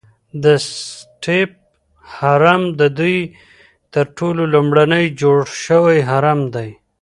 د سټیپ هرم ددوی تر ټولو لومړنی جوړ شوی هرم دی.